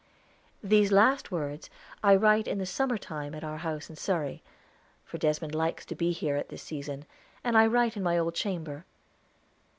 These last words I write in the summer time at our house in Surrey, for Desmond likes to be here at this season, and I write in my old chamber.